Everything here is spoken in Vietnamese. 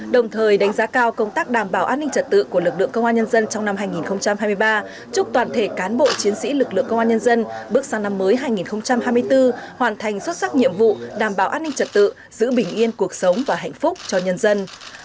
đồng thời đánh giá cao công tác đảm bảo an ninh trật tự của lực lượng công an nhân dân trong năm hai nghìn hai mươi ba chúc toàn thể cán bộ chiến sĩ lực lượng công an nhân dân bước sang năm mới hai nghìn hai mươi bốn hoàn thành xuất sắc nhiệm vụ đảm bảo an ninh trật tự giữ bình yên cuộc sống và hạnh phúc cho nhân dân